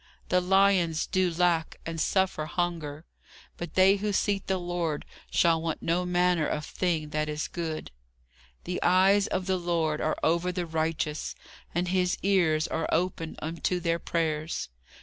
The lions do lack, and suffer hunger: but they who seek the Lord shall want no manner of thing that is good. The eyes of the Lord are over the righteous: and his ears are open unto their prayers.